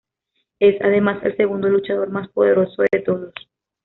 Es, además, el segundo luchador más poderoso de todos.